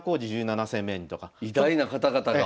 偉大な方々が。